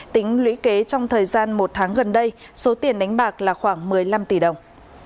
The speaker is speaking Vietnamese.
tính lũy kế trong thời gian một tháng gần đây số tiền đánh bạc là khoảng một mươi năm tỷ đồng